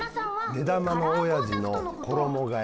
目玉のおやじの衣替え